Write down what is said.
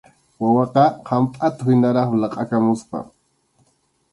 Wawaqa hampʼatuhinaraqmi laqʼakamusqa.